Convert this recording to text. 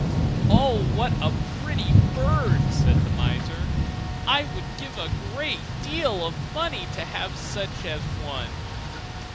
'Oh, what a pretty bird!' said the miser; 'I would give a great deal of money to have such a one.